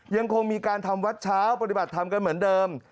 ยังคงมีการทำวัดเช้าปฏิบัติธรรมกันเหมือนเดิม